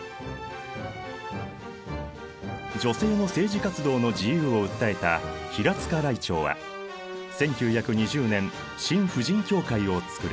女性の政治活動の自由を訴えた平塚らいてうは１９２０年新婦人協会を作る。